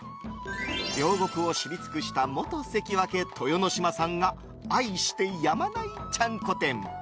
両国を知り尽くした元関脇・豊ノ島さんが愛してやまないちゃんこ店。